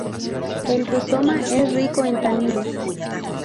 El rizoma es rico en taninos.